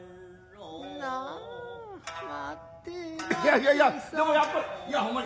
いやいやでもやっぱり。